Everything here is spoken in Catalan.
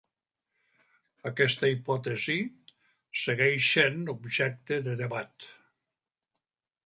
Aquesta hipòtesi segueix sent objecte de debat.